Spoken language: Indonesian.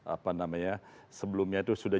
apa namanya sebelumnya itu sudah